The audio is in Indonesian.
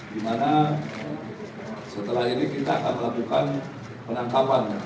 di mana setelah ini kita akan melakukan penangkapan